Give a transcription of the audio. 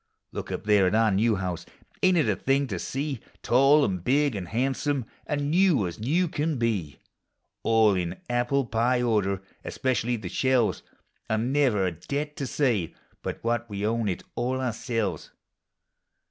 Look up there at our new house!— ain't it a thing to see? Tall and big and handsome, and new as new can be; 170 POEMS OF HOME. All in apple pic order, especially the shelves, And never a debt to say but what we own it all ourselves.